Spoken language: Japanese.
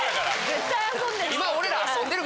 絶対遊んでる。